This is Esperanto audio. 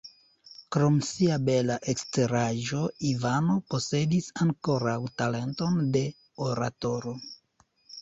Krom sia bela eksteraĵo Ivano posedis ankoraŭ talenton de oratoro.